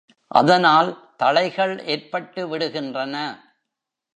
அதனால் தளைகள் ஏற்பட்டுவிடுகின்றன.